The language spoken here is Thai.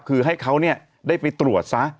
คือให้เขาได้ไปตรวจซะ